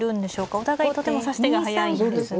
お互いとても指し手が速いんですが。